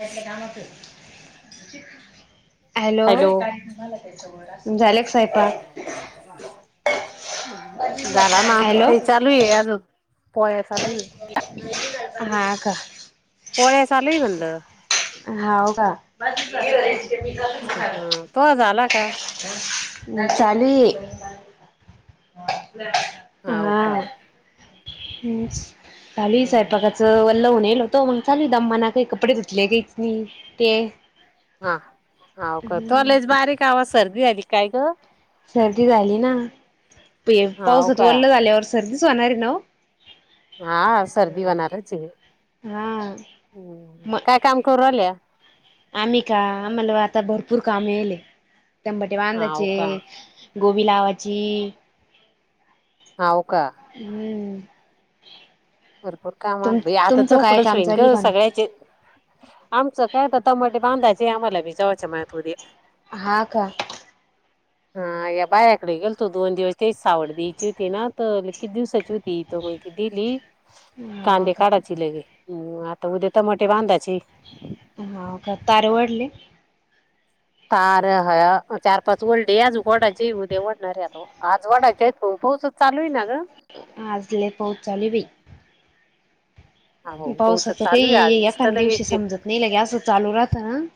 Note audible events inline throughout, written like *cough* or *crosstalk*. भटले कामाचं hello hello झाले का स्वयंपाक हॅलो नाही आजूक पोळ्या चालू ये. हा का पोळ्या चालूही म्हटलं. हाव का? तू तो झाला का *unintelligible* हाव हा, का चाली सयपाकाच वल्ल होवून येईल होत- *unintelligible* हा हाव का? तुला हम्म लईच बारीक आवाज सर्दी आली काय ग? सर्दी झाली ना, हाव पाऊसात का ओल्लं झाल्यावर सर्दीच होणारी ना ओ. हा, सर्दी होणारच आहे, हा म काय काम करू आल्या? आम्ही का, आम्हाला आता भरपूर कामे येले, तंबाटे हाव बांधाचे. का गोबी लावाची. हाव का? हं. भरपूर काम आलाे, आता तुमचं काय चौकडच काम होईन चालू ग का? सगळ्याचे- आमचं काय तर तमाटे बांधायचे, आम्हाला भी जेवाच माय थोडी. हा का? *inaudible* हा, या बायाकडे गेलतो, दोन दिवस ते सावड द्यायची होती ना, तर किती दिवसाची होती? तर मग ती दिली, हा कांदे का. काढायची लगे्, आता उद्या टमाटे बांधाचे. हाव का? तारवडली. तार हया चार, पाच वलडे, आजून वडायचे उद्या वडणारये आता. आज वडायचेत, पण पाऊसच चालू होईना ग. आज लई पाऊस चालूये बे. हो पाऊसच पावसाचं चालू आहे आज काही दिसत एखादं लगे दिवशी समजत नाही लगे, असं चालू राहतं ना-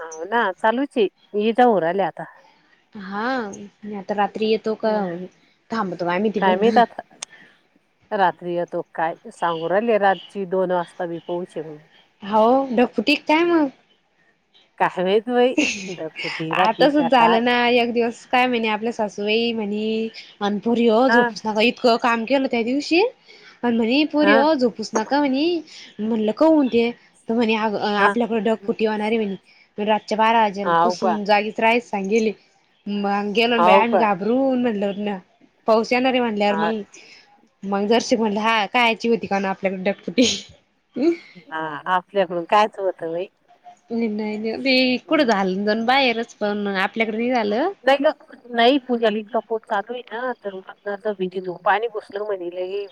हो ना, चालूच ये हे जाऊ राहीले आता. हा, आता रात्री येतो का हम्म थांबतो मा मी काय तीकड? माहित आता रात्री येतो, काय सांगू राहिली, रातची दोन वाजता मी पोहोचेल म्हणून. हो, ढग फुटी की काय मग? काय माहीत बाई? ढगफुटी राहती आता का सुच आलं काय ना एक दिवस- काय म्हणे, आपल्या सासूबाई म्हणे, अनपुरी हो हा जोपस- क काम केलं त्या दिवशी आणि म्हणे पोरी हा ओ झोप- नका म्हणे, म्हणलं का होऊन ते तर म्हणे हा आपल्याकड- फुटी होणारे म्हणे, रातच्या बारा वाजेला हाव का पासून जागीच राहाच सांग गेली, मंग - गेलो बा हाव आम्ही का घाबरुन म्हणल्यावरन पाऊस येणार ये म्हणल्यावर हा मग- *unintelligible* हा, आपल्याकडून कायच होतंच बाई. नाही, नाही मी कुठं हं. झालं जाऊन बाहेरच पण आपल्याकडे नाही झालं. नाही ग, नाही पूजालीका पोत *unintelligible* भीतीतून पाणी घुसल म्हणे, लगे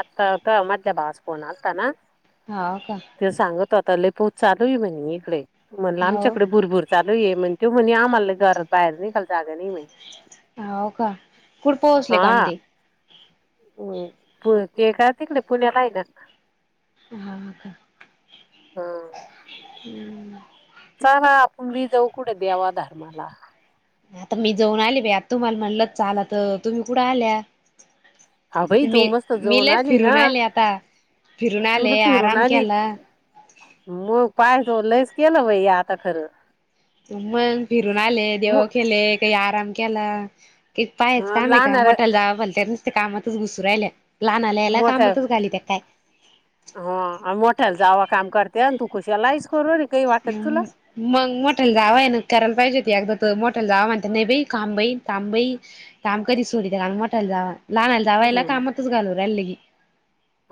आता का मधल्या भावाचा फोन आलता ना. हाव का? ते सांगत होता, लय पाऊस चालू आहे म्हणे इकडे, म्हणलं हो आमच्याकडे भुरभुर- चालू ये म्हणे, त्यो म्हणे आम्हाला घर बाहेर निघाल जाग नाही म्हणे. हाव का? कुठ पोहचले, *unintelligible* हो, ते काय तिकडे पुण्याला आहे ना. हं. *inaudible* चला आपण मी जाऊ कुठे देवा धर्माला आता मी जाऊन आली, बा आता तुम्हाला म्हणल चाल तर तुम्ही कुठ आल्या हा बाई मी, तू मस्त मी जाऊन लेय आली ना फिरून आले आता, फिरून तुला आले फिरून आराम आली केला मग पाहि तो लईस केल बइ आता खर मग फिरून आले म देव केेले, काही आराम केला क पायच काम आहे का लहानाला मोटाल जाव बल तरसते कामातच घुसून राहिल्या लहान आला यायला कामतच घाली त्या काय? हो आमी मोठ्याला जावा काम करत्या आणि तू खुशल आईस करु राहिली हम् मग मोठ्याला जाव ये ना करायला पाहिजे होती एगदा त मोठ्याला जावा म्हणत्या नाही बाई थांब बई थांब बाई काम करी सोरी त्या मोटायला जावा लहाला जावा यायला कामातच घालू राहिल की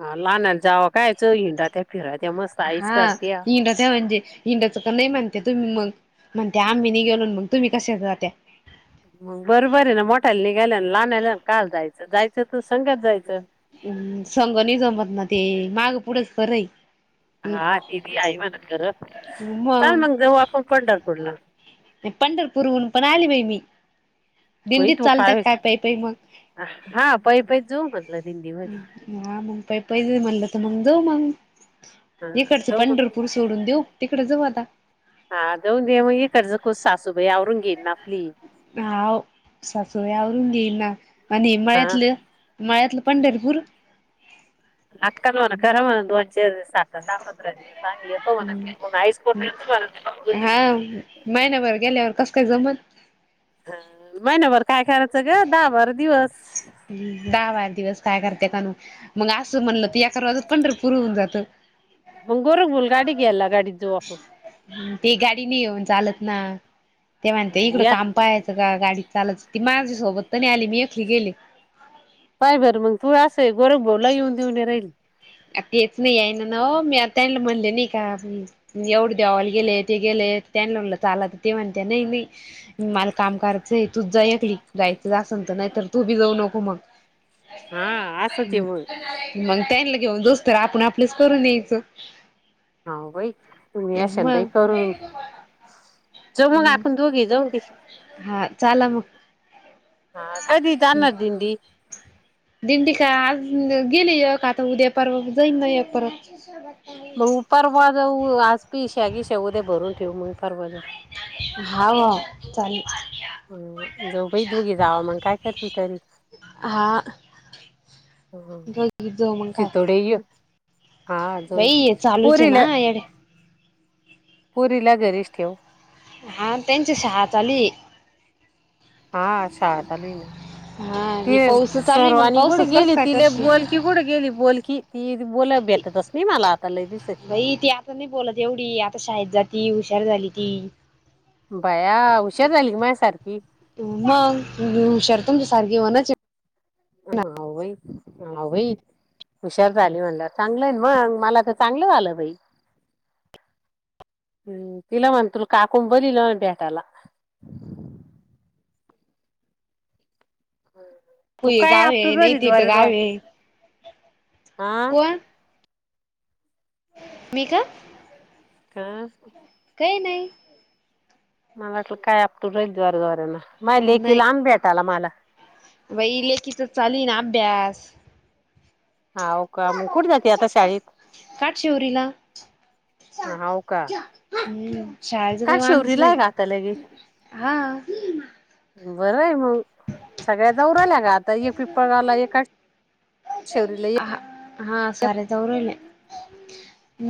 हा लहना जावा काय च हिंडा फीरायतचा मस्त आईच हा करते ह रा म्हणजे हिंडाचं का नाही म्हणत्या तुम्ही मग म्हणत्या आम्ही ने गेलोन मग तुम्ही कशा जात्या बरोबर ये ना मोठायला निघायला लहान आला कायाल जायच जायच त संग जायच हम, संग नई जमत ना ते माग पुढच बरय हा ते बी हाय मन खर चाल मग जाऊ आपण पंढरपूरला पंढरपूरहून पण आली बाई मी मई दिंडीत तू चालत्या कायस काय पाई पाई मग हा पै पै जाऊ म्हटल दिंदी मदे आ मग पइ पइ मनल त जाऊ मग, हा ये इकडच जाऊ म्हटलं पंढरपूर सोडून देऊ तिकडे जऊ आता हा जाऊन दे म इकडच खूस सासूबाई आवरून घेईल ना आपली हाव सासुबाय आवरून घेईन ना मग हा नेमायातल मायातल पंढरपूर लाकाल ना करा म्ह दोनचे साख सापत्र दिव सांगी *unintelligible* मायनाभर गेल्यावर कस काय जमल? हा मइनाभर काय करायच ग दहा बारा दिवस ह् दहा बार दिवस काय करते कानू मग अस म्हणल तर यक रोजजात पंढरपूर होऊन जात *unintelligible* ते गाडी नयी येऊन चालत ना ते म्हणते आपण इकड या काम पाहायच का गाडीत चालच ती म्हाज्या सोबत त नाही आली मी एखली गेले पाय बर मग तू अस आहे गोरख भाऊला यी येऊन देऊन नयी राहीली हेच नाही आहे ना ना मी आता यानला म्हणले नाही का एवढे देवाला गेले ते गेले त्यांना म्हणल चाला तर ते म्हणते नायी नायी मला काम कराचय तूच जा एकली जायच च असल तर नाही तर तू बी जाऊ नको मग हा असं ते मग मग त्याला *unintelligible* आपण आपलेच करून यायच. हा बाई तुम्ही म जमुन आपण दोघे जाऊ दे हा चाला मग हा कधी जाणार दिंडी? दिंडी काय आज गेले एक आता उद्या परवा जाईन ना एक परत मग परावा जाऊ आज पीशव्या बीश्या उद्या भरून ठेवू मग परवा जाऊ. हा चालेल. ह जाऊ बही दोघे जावं मग काय करते तरी हा हं बघ जाऊ मग काय शितोडे य हा जाऊ बाई हे चालूच आहे पोरीला ना येडे पुरीला घरीच ठेव. हा त्यांची शाळा चालू आहे. हा शाळात आलोय ना हा ति ही पाऊस चालू आहे मग सर्वांनी कड पाऊसच कस गेली काय तिला बोल करशील त कुड गेली बोल की ती बोला भेटतच नाही मला आता लय दिसाची. बाई ती नाही बोलत एवढी आता शाळेत जाती हुशार झाली ती. बया हुशार झाली की माझ्यासारखी. मग हुशार तुमच्या सारखे होणाची हा वई होय वई हुशार झाली म्हणला चांगलं मग मला तर चांगलं झालं बाई. हं तिला म्हण तुला काकुं बोलावल भेटायला. तू हुये काय गाव आहे आपटून नाही राहिली तिथ गाव आहे. आ? कोण मी का? कस? काही नाही. मला वाटलं काय आपटू राहिली जोराजोरान माझ अं, नाही लेकीला आण भेटायला मला. बाई लेकीचा चालुय ना अभ्यास. हो का मग कुठे जाते आता शाळेत? काट शिवरीला ह हो का हम्म, शाळेचं काय? काही वांधच नाही शिवरीलाय आता लगी. हा बरंय मग सगळ्या *unintelligible* ल्या ग आता *inaudible* *unintelligible* *inaudible* शेवरीला अ एक हा साऱ्या जावु राहील्या.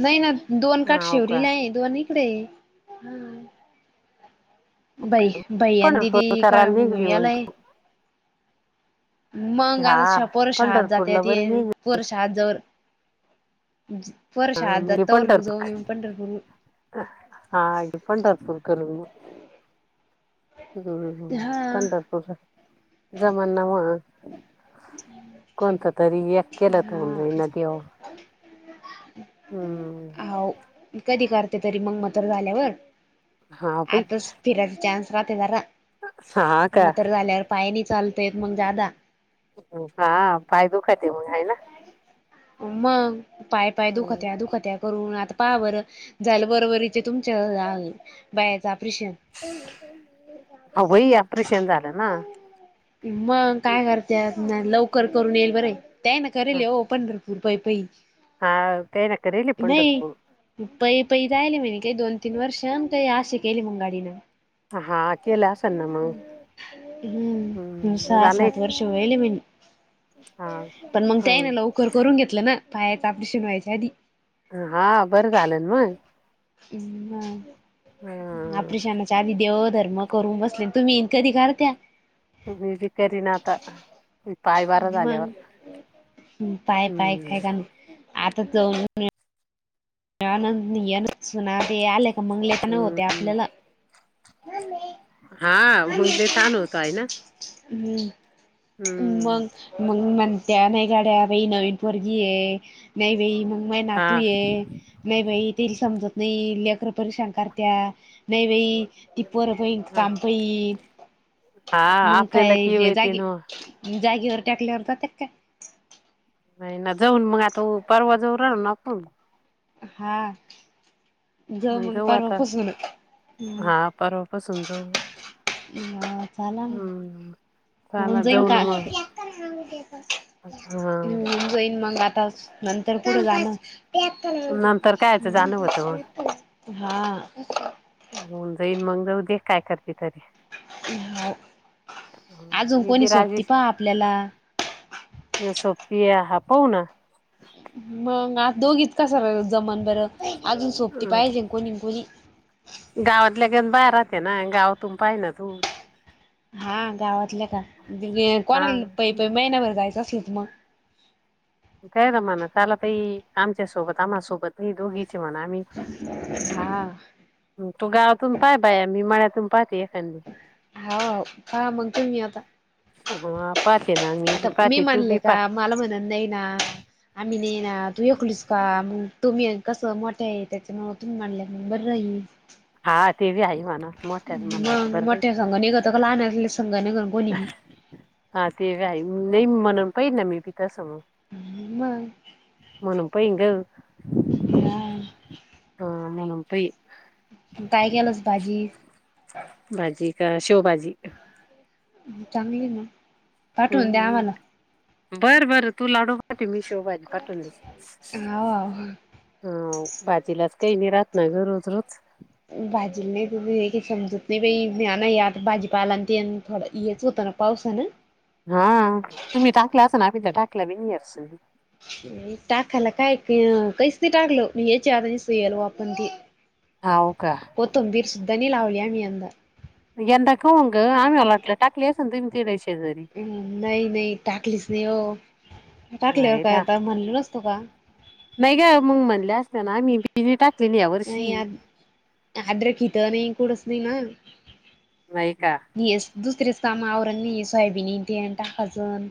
नाही ना दोन हाव का काठशेवरीला आहे. दोन इकडे आहे. बाई बाई दिदी पंढरपूर का करायला मग निघली यालाय. तू मग हा आता पोर शाळेत जाते पंढरपूरला ते बरं निघ पोर शाळेत जवळ पोर हा शाळेत मग घे जातात तोवर जाऊन पंढरपूर येऊ पंढरपूरला हा पंढरपुर करुन हं हा पंढरपूर जमाना मग कोणतं तरी एक केलं तर होऊन हा जाईन देव हो कधी करते तरी मग मग म्हातारी झाल्यावर? हा बाई आताच फिरायचा चान्स राहतोजरा हा का म्हातार झाल्यावर पाय नाही चालतय येत मग ज्यादा हा पाय दुखाते मग आहे ना मग पाय पाय दुखत्या दुखत्या करून आता पहा बर झालं बरोबरीचे तुमच्या बायांच ऑपरेशन हो बाई ऑपरेशन झालं ना? मग काय करते लवकर करून येईल बरं त्यान करायले हो ओ पंढरपूर पाई पाई *unintelligible* ह तेहना करेल हे पंढरपूर पै पै जायले म्ह काही दोन तीन वर्ष काही असे केले मग गाडीनं हा केले अस ना मग, हम् जाण त अवेलेबल, पण मग काय ये ना हम्म लवकर करून घेतलं ना. पायाच ऑपरेशन व्हायच्या आधी. हा बरं झालं न मग. हम हा. आ. ऑपरेशनच्या आधी देवधर्म करूण बसले तुम्ही कधी करत्या? मीबी करीन न आता, पायबरा झाल्यावर. मग पाय पाय काय हम्म कारण, आता जाऊन ये आनंद निया न सुना बी आल्या का मंग लेक न होते आपल्याला, मम्मे. हा मग लय तान होतो आहे ना? हम्म, हम्म मग. मग म्हणत्या नाही गड्या बाई नवीन पोरगी आहे. नाही बाई मग मये हा नातवी ये. नाही बाई तिल समजत नाही लेकर परेशान करत्या, नाही बाई ती पोर पाहिन का हा काम पाहि, हा मंग आपल्याला काय किव जे येते जागी. ना जागेवर टाकल्यावर करत्यात काय? नाही ना जाऊन मग आता परवा जऊ राहिलो ना आपूण. हा, जाऊ मग परवा पासुण. परवा पासून जाऊ? हा चालांग. हम्म होऊन चला जाईन जाऊ का, ना *unintelligible* मग हा हम. जाईन मग आता, नंतर पुढं जाणं. नंतर कायचं जाणं होतं *unintelligible* हा. होऊन जाईन मग जाऊ दे काय करते तरी? हा, अजून मी कोणी बी राजी सोपती पहा आपल्याला? सोपती हा पाहुना. मग आत दोघीच कस जमन बरं अजून सोपती पाहिजे कोणीन कोणी. गावातल्या गण बाहेर राहते ना गावातून पाहि ना तू? हा गावातल्या का, हा कोणाल पई पई महिन्याभर जायचं असल तर मग? त्यांना म्हणा चला ताई आमच्यासोबत आम्हालासोबत. मी दोघीचे म्हणा आम्ही. हा तू गावातून पाय बाया मी मळ्यातून पाहते. एखादी हाव, पहा मग तुम्ही आता. हा पाहते ना मी बी आता पाहतेे तू म्हणले बी पाह. का मला म्हनन नाही ना. आम्ही नाही ना तू ऐकलस का मग तुम्ही कसं मोठ्या आहे त्याच्यामूळ तु म्हणल्या न बरं राहि हा ते बी आहे म्हना मोठ्यात म्हणल्या तर बरं राहिल. सगळ लाहण्यातले संघाने *unintelligible* हा ते बी हाय नाही म्हनून पाहि ना मी पिता समो म. म्हणून पाहिन ग. हा. हा म्हनुन पाहिन. काय केलंस भाजी? भाजी का... शेवभाजी. चांगली आहे ना. पाठवून द्या आम्हाला. बर -बर तू लाडू पाठव. मी शेव भाजी पाठवली अस.... हाव हाव हं.... भाजीलाच काही नाही राहत नाही गं रोज -रोज. *unintelligible* पाऊसा न.... हा..... तुम्ही टाकला असन आम्ही तर टाकला बी नाय आजून. टाकायला काय क... काहीच नाय टाकल ए चार सियन वापरतीय. *unintelligible* कोथंबीर सुद्धा नाही लावली आम्ही यंदा... यंदा कोण गं आम्हाला वाटलं टाकली असल बीन तुर्याची.. हम्म.... नाही -नाही टाकलीच नाही ओ... टाकल्यावर अरे काय द्या आता म्हणलो नसतो का.... नाही गं मग म्हणले असता ना आम्ही बी टाकली नाही या वर्षी.... अद्रखित नाही.. कुण च नाही ना.... नाही का.. हेच दुसरीच काम आवरत नाहीत ही सायबीन येती आणि टाकायचन....